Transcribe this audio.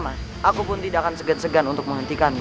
amat aku pun tidak akan segan segan untuk menghentikannya